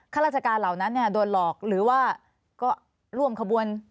ข้าราชการเหล่านั้นโดนหลอกหรือว่าก็ร่วมขบวน